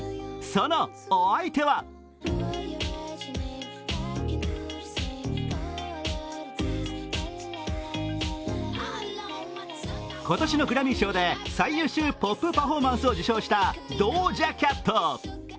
その、お相手は今年のグラミー賞で最優秀ポップ・パフォーマンスを受賞したドージャ・キャット。